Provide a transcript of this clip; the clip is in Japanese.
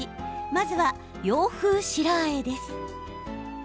まずは洋風白あえです。